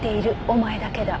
お前だけだ」